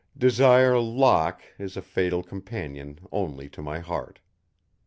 Desire Locke is a fatal companion only to my heart.